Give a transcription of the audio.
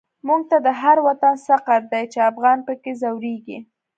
موږ ته هر وطن سقر دی، چی افغان په کی ځوريږی